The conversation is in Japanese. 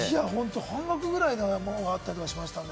半額ぐらいのものとかあったりした。